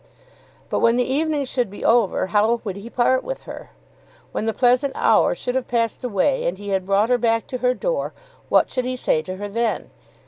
But when the evening should be over, how would he part with her? When the pleasant hour should have passed away and he had brought her back to her door, what should he say to her then?